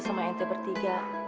sama ente bertiga